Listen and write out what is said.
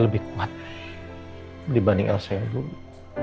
pas di youarn bagaiman repack kalau two of you